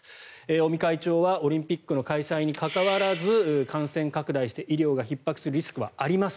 尾身会長はオリンピックの開催にかかわらず感染拡大して医療がひっ迫するリスクはあります